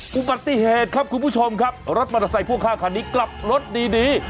คุณปฏิเหตุครับคุณผู้ชมครับรถบรรทัดใส่พวกข้างคันนี้กลับรถดี